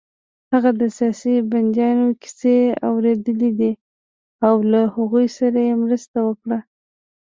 هغه د سیاسي بندیانو کیسې واورېدې او له هغوی سره يې مرسته وکړه